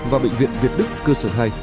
và bệnh viện việt đức cơ sở hai